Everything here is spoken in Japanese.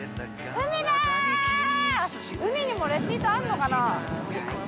海にもレシートあるのかな？